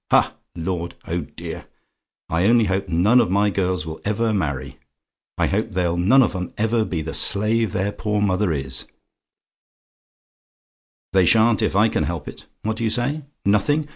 Ha, lord! Oh, dear! I only hope none of my girls will ever marry I hope they'll none of 'em ever be the slave their poor mother is: they shan't, if I can help it. What do you say? "NOTHING?